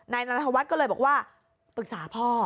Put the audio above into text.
นายนันทวัฒน์ก็เลยบอกว่าปรึกษาพ่อ